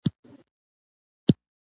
زه د شعر لیکلو سره مینه نه لرم.